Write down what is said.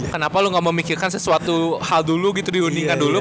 kenapa lu gak memikirkan sesuatu hal dulu gitu diundingkan dulu